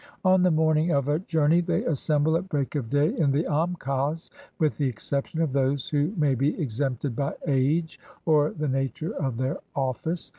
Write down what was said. On the morning of a journey, they assemble at break of day in the am kas, with the exception of those who may be exempted by age or the nature of their office.